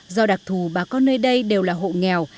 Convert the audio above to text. do đặc thù bà con nơi đây đều là hộ nghèo